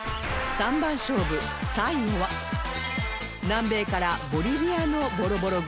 三番勝負最後は南米からボリビアのボロボログルメ